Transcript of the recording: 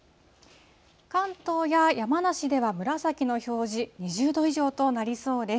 関東や山梨では紫の表示、２０度以上となりそうです。